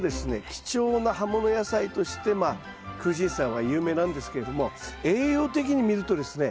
貴重な葉物野菜としてまあクウシンサイは有名なんですけれども栄養的に見るとですね